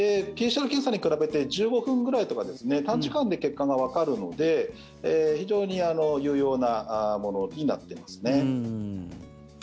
ＰＣＲ検査に比べて１５分ぐらいとか短時間で結果がわかるので非常に有用なものになってます。